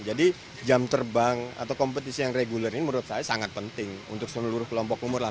jadi jam terbang atau kompetisi yang reguler ini menurut saya sangat penting untuk seluruh kelompok umur lah